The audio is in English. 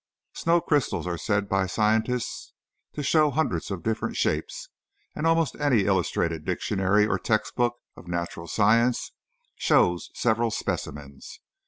Snow crystals are said by scientists to show hundreds of different shapes, and almost any illustrated dictionary or text book of natural science shows several specimens.